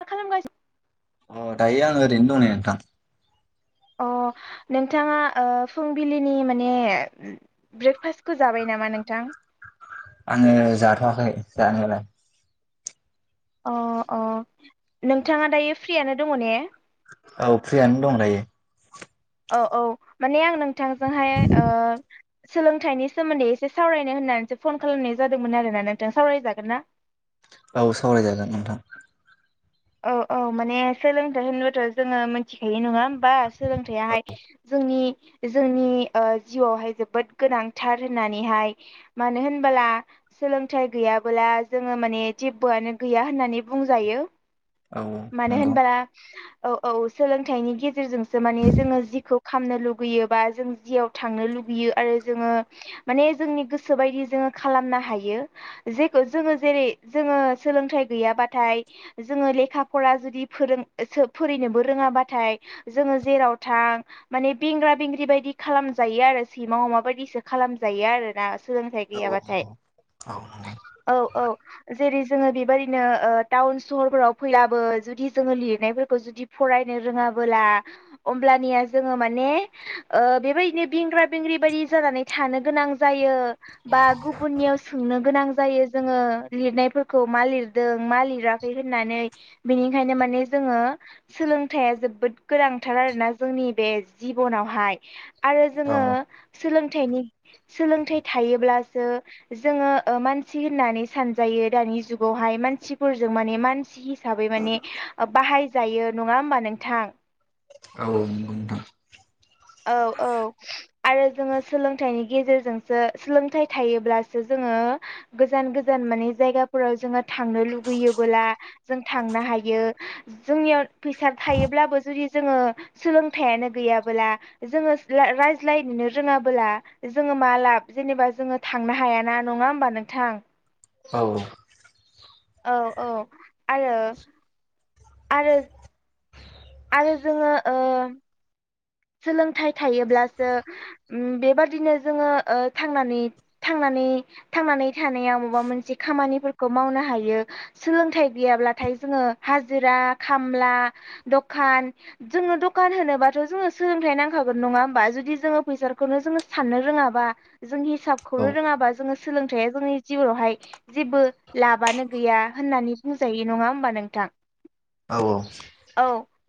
मा खालामगासिनो? अ दायो आङो ओरैनो दं नै नोंथां। अ नोंथाङा ओ फुंबिलिनि माने ब्रेकफास्टखौ जाबाय ना नामा नोंथां? आङो जाथ'वाखै जानायालाय। अ अ नोंथाङा दायो फ्रियानो दङ ने? औ फ्रियानो दं दायो। औ औ माने आं नोंथांजोंहाय ओ सोलोंथाइनि सोमोन्दै एसे सावरायनो होननानैसो फन खालामनाय जादोंमोन आरोना नोंथां। सावरायजागोन ना? औ सावरायजागोन नोंथां। औ औ माने सोलोंथाइ होनबाथ' जोङो मिथिखायो नङा होमबा? सोलोंथाइयाहाय जों जोंनि जोंनि ओ जिउआवहाय जोबोद गोनांथार होननानैहाय मानो होनोब्ला ब्ला सोलोंथाइ गैयाबोला जोङो माने जेबबोआनो गैया होननानै बुंजायो। औ मानो नंगौ होनबोला औ औ सोलोंथाइनि गेजेरजोंसो माने जोङो जिखौ खामनो लुुबैयोबा जों जियाव थांनो लुगै बियो आरो जोङो माने जोंनि गोसो बायदि जोङो खालामनो हायो जेखौ जोङो जेरै जोङो सोलोंथाइ गैयाबाथाय‌ जोङो ले खा फरा जुदि फोरों-फोरिनोबो रोङाबाथाय जोङो जेराव थां माने बे बेंग्रा बेंग्रि बायदि खालामजायो आरो सैमा अमा बायदिसो खालामजायो आरो ना। सोलोंथाइ औ गैयाबाथाय औ नंगौ। औ नंगौ। औ औ जेरै जोङो बेबायदिनो ओ टाउन सहरफोराव फैब्लाबो जुदि जोङो लिरनायफोरखौ जुदि फरायनो रोङाबोला अब्लानिया जोङो माने ओ बेबायदिनो बेंग्रा बेंग्रि बायदि जानानै थानो गोनां जायो बा गुब गुबुननियाव सोंनो गोनां जायो जोङो लिरनायफोरखौ मा लिरदों मा लिराखै होननानै बेनिखायनो माने जोङो सोलोंथाइया जोबोद गोनांथार आरोना जोंनि बे जि बनावहाय आरो औ जोङो सोंलों थाइनि सोलोंथाइ थायोब्लासो जोङो मानसि होननानै सानजायो दानि जुगावहाय मानसिफोरजों माने मानसि हिसाबै माने बाहायजायो नङा होमबा नोंथां? औ नंगौ नोंथां। औ औ आरो जोङो सोलोंथाइनि गेजेरजोंसो सोलोंथाइ थायोब्लासो जों जोङो गोजान गोजान माने जायगाफोराव जोङो थांनो लुगैयोबोला जों थांनो हा यो जोंनियाव फैसा थायोब्लाबो जुदि जोङो सोलोंथाइयानो गैयाबोला जोङो रायज्लायनोनो रोङाबोला जोङो मा लाब जेनेबा जोङो थांनो हायाना। नङा होमबा नोंथां? औ औ औ आरो आरो आरो जोङो ओ सोलोंथाइ थायोब्लासो उम बेबादिनो जोङो ओ थांनानै थांनानै थांनानै थानायाव माबा मोनसे खामानिफोरखौ मावनो हायो सोलोंथाइ गैयाब्लाथाय जोङो हाजिरा खामला दखान जोङो दखान होनोबाथ' जोङो सोलोंथाइ नांखागोन नङा होमबा? जुदि जोङो फैसाखौनो जोङो साननो रोङाबा जों हि औ हिसाबखौनो रोङाबा जोङो सोलोंथाइया जोंनि इउनावहाय जेबो लाबानो गैया होननानै बुंजायो नङा होमबा नोंथां? औ औ औ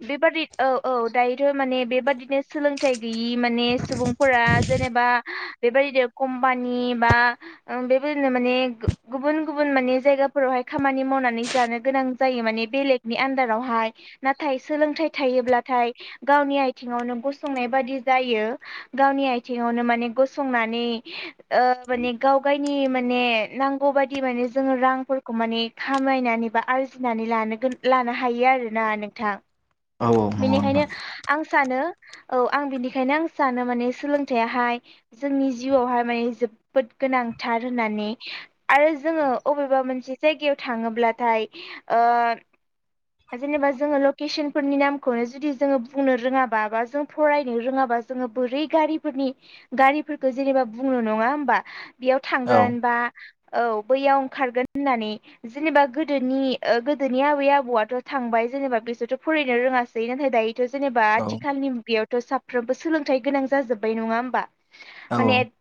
बेबादि औ औ दायोथ' माने बेबादि नो सोलोंथाइ गैयि माने सुबुंफोरा जेनेबा बेबायदिनो कम्पानि बा बेबायदिनो माने गुबुन गुबुन माने जायगाफोरावहाय खामानि मावनानै जानो गोनां जायो बेलेगनि आनदारावहाय नाथाय सोलोंथाइ थायोब्लाथाय गावनि आथिंआवनो गसंनाय बायदि जायो गावनि आथिंआवनो माने गसंनानै माने गाव गायनि माने नांगौ बाददि माने जोङो रांफोरखौ माने खामायनानै बा आरजिनानै लानो हायो आरोना नोंथां औ नंगौ नोंथां बेनिखायनो आं सानो औ आं बिनिखायनो आं सानो माने सोलोंथाइयाहाय जोंनि जिउआवहाय माने जोबोद गोनांथार होननानै आरो जोङो अबेबा मोनसे जायगायाव थाङोब्ला ओ जेनेबा जोङो लकेचनफोरनि नाम खौनो जुदि जोङो बुंनो रोङाबा बा जों फरायनो रोङाबा जोङो बोरै गारिफोरनि गारि फोरखौ जेनेबा बुंङो नङा होमबा बेयाव औ थांगोन बा औ बैयाव ओंखारगोन होननानै जेनेबा गोदोनि गोदोनि आबै आबौआथ' थांबाय जेनेबा बिसोरथ' फरायनो रोङासै नाथाय दायोथ' जेनेबा आथिखालनि बेयावथ' साफ्रोमबो सोलोंथाइ गोनां जाजोब्बाय नङा होमबा औ औ नंगौ माने औ औ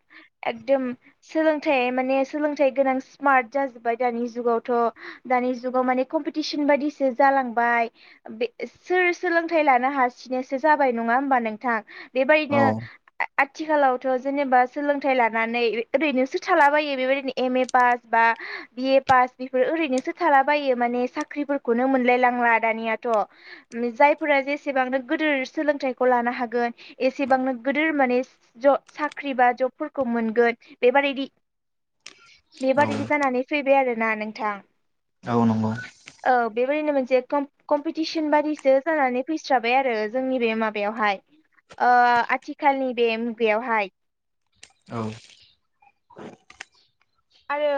एकदम सोलोंथाइ माने सोलोंथाइ गोनां स्मार्ट जाजोब्बाय दानि जुगावथ' दानि नि जुगाव माने खमफुथिसन बायदिसो जालांबाय बे सोर सोलोंथाइ लानो हासिनोसो जाबाय नङा होमबा नोंथां नोंथां औ बेबायदिनो आथिखालावथ' जेनेबा सोलोंथाइ लानानै ओरैनोसो थालाबायो बेबायदिनो एम ए पास बा बिए पास बेफोर ओरैनोसो थालाबायो माने साख्रिफोरखौनो मोनलाय लांला दानियाथ' [unintelligible] फोर जेसेबांनो गिदोर सोलोंथाइखौ लानो हागोन एसेबांनो गिदोर माने ज सा साख्रि बा जबफोरखौ मोनगोन बेबारदि [unintelligible] बेबादि जानानै फैबाय आरोना नोंथां औ नंगौ औ बेबायदिनो मोनसे कम्पिटिसन बादिसो जानानै फैस्राबाय आरो जोंनि बे माबायावहाय ओ आथिखालनि बे मुगायावहाय औ आरो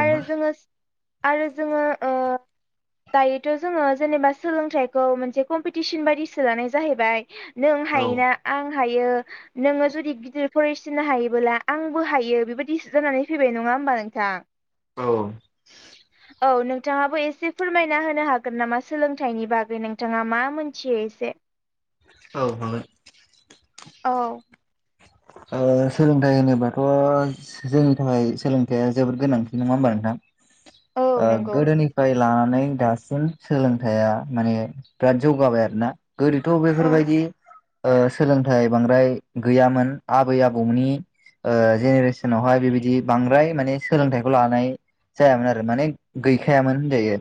आरो जोङो आरो जोङो ओ दायोथ' जोङो जेनेबा सोलोंथाइखौ मोनसे कम्पिटिसन बायदि सो लानाय जाहैबाय नों हायोना आं हायो नोङो जुदि गिदिर फरायसिनो हायोबोला आंबो हायो बेबायदि जानानै फैबाय नङा होमबा नोंथां औ औ नोंथाङाबो एसे फोरमायना होनो हागोन नामा सोलोंथाइनि बागै नोंथाङा मा मोनथियो एसे औ हागोन औ ओ सोलोंथाइ होनोबाथ' जोंनि थाखाय सोलोंथाइया जोबोद गोनांथि नङा होमबा नोंथां औ ओ नंगौ। गोदोनिफ्राय लानानै दासिम सोलोंथाइया माने बिराद जौगाबाय आरोना गोदोथ' औ बेफोरबायदि ओ सोलोंथाइ बांद्राय गैयामोन आबै आबौनि ओ जेनेरेसनावहाय बेबायदि बांद्राय माने सोलोंथाइखौ लानाय जायामोन आरो माने गैखायामोन होनजायो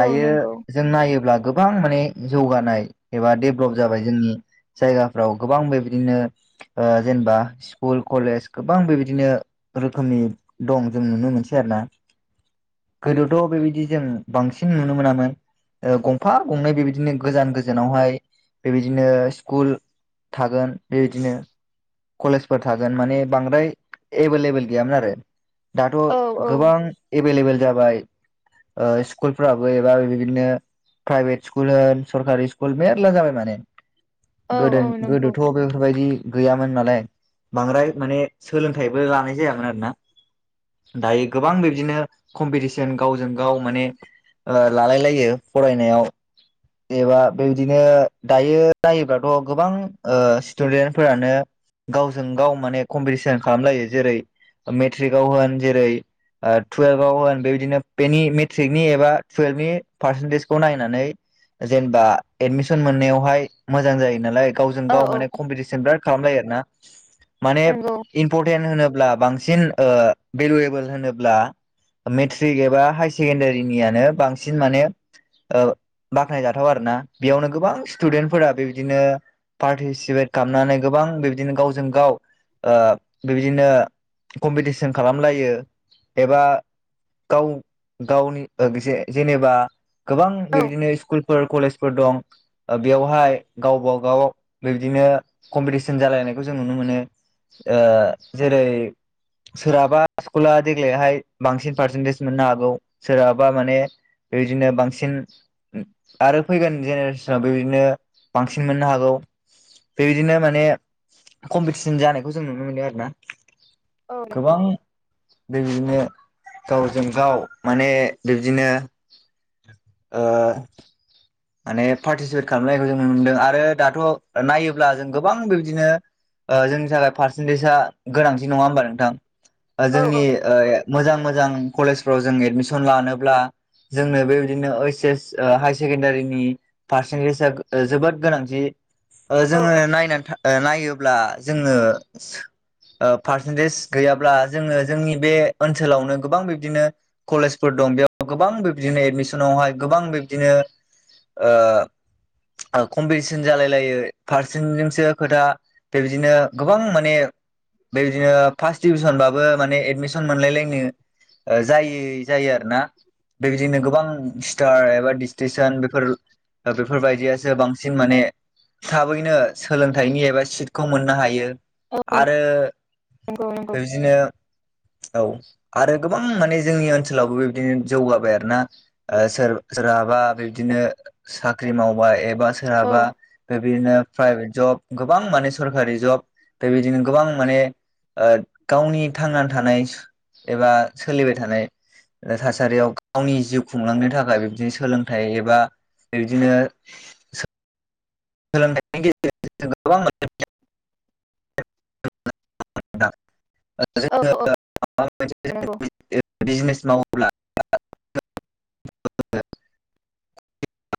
औ नंगौ। जों नायोब्ला गोबां माने जौगानाय एबा डेभ्लप जाबाय जोंनि जायगाफ्राव गोबां बेबायदिनो ओ जेनेबा स्कुल कलेज गोबां बेबायदिनो रोखोमनि दं जों नुनो मोनो मोनसै आरोना गोदोथ' बेबायदि जों बांसिन नुनो मोनामोन ओ गंफा गंनै बेबायदिनो गोजान गोजानावहाय बेबायदिनो स्कुल थागोन बे बिदिनो कलेजफोर थागोन माने बांद्राय एभेलेबोेल गैयामोन आरो दाथ' औ औ गोबां एभेलेबेल जाबाय ओ स्कुलफोराबो एबा बिदिनो प्राइभेट स्कुल होन सरकारि स्कुल मेर्ला जाबाय माने औ गोदो औ नंगौ गोदोथ' बे बायदि गैयामोन नालाय बांद्राय माने सोलोंथाइबो लानाय जायामोन आरोना दायो गोबां बिब्दिनो कम्पिटिसन गावजों गाव माने लालाय लायो फरायनायाव एबा बेबादिनो दायो नायोबाथ' गोबां ओ स्टुदेन्ट फोरानो गावजों गाव माने कम्पिटिसन खालामलायो जेरै मेट्रिकआव होन जेरै टुयेल्भाव होन बेबायदिनो बेनि मेट्रिकनि एबा टुयेल्भनि पार्सेन्टेजखौ नायनानै जेनेबा एदमिसन मोननायावहाय मोजां जायो नालाय गावजों औ गाव औ माने कमपिटिसन बिराद खालामलायो आरोना माने नंगौ इमपरटेन्ट होनोब्ला बांसिन ओ भेलुवेबोल होनोब्ला मेट्रिक एबा हायार सेकेण्डारिनियानो बांसिन माने बाख्नायजाथाव आरोना बेयावनो गोबां स्टुडेन्टफोरा बेबायदिनो पार्टिसिपेट खामनानै गोबां बिबदिनो गावजों गाव ओ बेबादिनो कम्पिटिसन खालामलायो एबा गाव गावनि जेनेबा गोबां औ बेबायदिनो स्कुलफोर कलेज फोर दं बेयावहाय गावबागाव बिबदिनो कम्पिटिसन जालायनायखौ जों नुनो मोनो ओ जेरै सोरहाबा स्कुला देग्लायहाय बांसिन पार्सेन्टेज मोननो हागौ सोरहाबा माने बेबायदिनो बांसिन आरो फैगोन जेनेरेसनाव बेबायदिनो बांसिन मोननो हागौ बेबायदिनो माने कम्पिटिसन जानायखौ जों नुनो मोनदों आरो ना औ नंगौ गोबां दै [inaudible] गावजों गाव माने बिब्दिनो ओ माने पार्टिसिपेट खालामनायखौ जों नुनो मोनदों आरो दाथ' नायोब्ला जों गोबां बेबदिनो ओ जोंनि थाखाय पारसेनटेेजआ गोनांथि नङा होमबा नोंथां ओ औ जोंनि ओ मोजां मोजां जां कलेजाव जों एडमिसन लानोब्ला जोंनो बेबायदिनो ओइस एस ओ हायार सेकेण्डारि नि पारसेनटेजा ओ जोबोद गोनांथि ओ औ जोङो नायनानै नायोब्ला जोङो ओ पारसेन्टेज गैयाब्ला जोङो जोंनि बे ओनसोलावनो गोबां बिब्दिनो कलेजफोर दं बेयाव गोबां बिब्दिनो एडमिसनावहाय गोबां बिब्दिनो ओ कम्पिटिसन जालाय लायो पारसेन्जोंसो खोथा बेबायदिनो गोबां माने बेबायदिनो फार्स्ट डिभिसनबाबो माने एडमिसन मोनलायलायनो जायि जायो आरो ना। बेबायदिनो गोबां स्टार एबा डिस्टेसन बेफोर बेफोर बायदियासो बांसिन माने थाबैनो सोलोंथाइनि एबा सिटखौ मोननो हायो। आरो नंगौ नंगौ बिबादिनो औ आरो गोबां माने जोंनि ओनसोलावबो बेबायदिनो जौगाबाय आरो ना सोर सोराबा बा बिदिनो साख्रि मावबा एबा औ सोरहाबा बे बिदिनो प्राइभेट जब गोबां माने सरकारि जब बेबायदिनो गोबां माने ओ गावनि थांनानै थानाय एबा सोलिबाय थानाय ओ थासारियाव गावनि जिउ खुंलांनो थाखाय बिबदिनो सोलोंथाइ एबा बिदिनो [inaudible] [inaudible] थां [inaudible] जोङोसे औ नंगौ बिजनेस मावो [inaudible]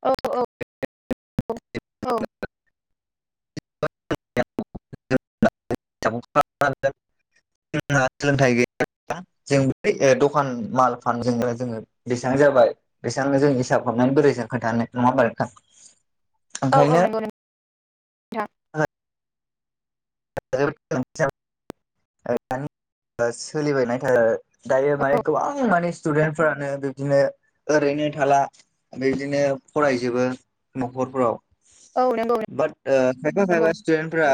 औ औ औ औ द [inaudible] [inaudible] सोलोंथ गै जों है दखान माल फानजोंनो जोङो बेसेबां जाबाय बेसेबांनो जों हिसाब खालामनानै बोरै जों खोन्थानो? [unintelligible] औ औ नंगौ नोंथां [inaudible] द सोलिबाय थानाय दायो मानेखौ गोबांमानि स्टुदेन्टफोरानो बिबदिनो ओरैनो थाला बिबदिनो फरायजोबो न'खर फोराव औ नंगौ बाट ओ खायफा खायफा नंगौ स्टुदेन्ट फोरा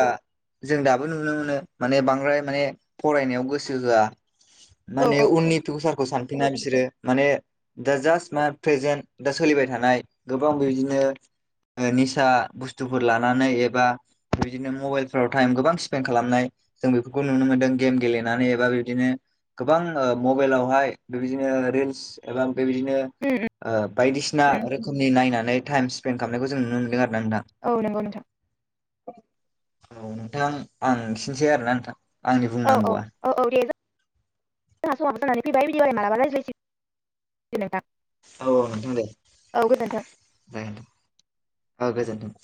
जों दाबो नुनो मोनो माने बांद्राय माने फरायनायाव गोसो होआ औ माने औ उननि फिउसारखौ सान ना बिसोरो माने दा जास्ट मा प्रेजेन्ट दा सोलिबाय थानाय गोबां बिदिनो निसा बुस्थुफोर लानानै एबा बिदिनो मबाइलफ्राव टाइम गोबां स्पेन्दड खालामनाय जों बे खौ नुनो मोनदों गेम गेलेनानै एबा बिब्दिनो गोबां ओ मबाइलावहाय बेबायदिनो रिल्स एबा बेबायदिनो उम ओ बायदिसिना उम रोखोमनि नायनानै टाइम स्पेन्ड खालामनायखौ जों नुनो मोन्दों आरो। ना नोंथां। औ नंगौ नोंथां औ नोंथां आं खिनोसै आरोना नोंथां आंनि औ औ बुंनांगौआ [inaudible] जोंहा समाबो जानानै फैबाय मालाबा रायज [inaudible] नोंथां। औ औ नोंथां दे। औ गोजोन्थों। जागोन दे। औ गोजोन। [inaudible]